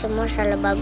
ibu udah ikhlas nak